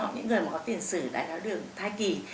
những người có tiền sử đáy áo đường thai kỷ